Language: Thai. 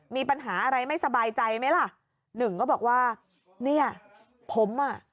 มีปัญหาอะไรไม่สบายใจไหมล่ะหนึ่งก็บอกว่าเนี่ยผมอ่ะ